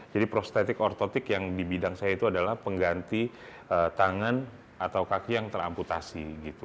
jadi prostetik dan ortotik yang di bidang saya itu adalah pengganti tangan atau kaki yang teramputasi